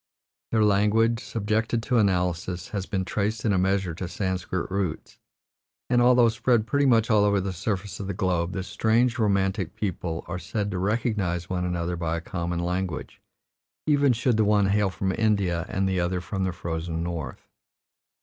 Their language, subjected to analysis, has been traced in a measure to Sanscrit roots, and although spread pretty much all over the surface of the globe, this strange, romantic people are said to recognize one another by a common language, even should the one hail from India and the other from the frozen North.